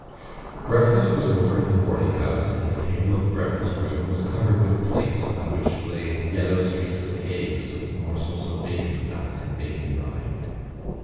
Breakfast was over in the boarding house and the table of the breakfast room was covered with plates on which lay yellow streaks of eggs with morsels of bacon fat and bacon rind.